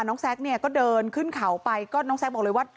แซ็กเนี่ยก็เดินขึ้นเขาไปก็น้องแซคบอกเลยว่า